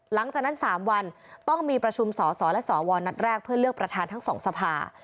หลังจากนั้น๓วันต้องมีประชุมสสและสวนัดแรกเพื่อเลือกประธานทั้งสองสภา